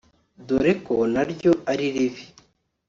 dore ko na ryo ari ribi